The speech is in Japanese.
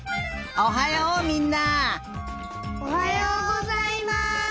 おはようございます！